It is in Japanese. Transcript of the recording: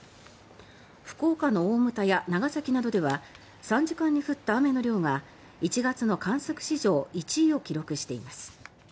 福岡の大牟田や長崎などでは３時間に降った雨の量が１月の観測史上１位を記録しています。